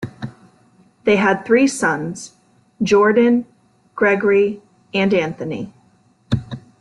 They had three sons, Jordan, Gregory and Anthony.